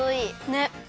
ねっ。